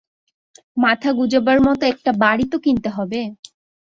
মাথা গুঁজবার মতো একটা বাড়ি তো কিনতে হবে।